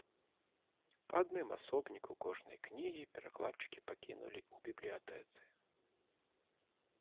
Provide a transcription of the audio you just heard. Па адным асобніку кожнай кнігі перакладчыкі пакінулі ў бібліятэцы.